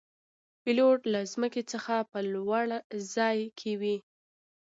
پیلوټ له ځمکې څخه په لوړ ځای کې وي.